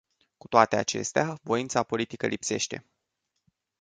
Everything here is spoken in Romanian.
Cu toate acestea, voința politică lipsește.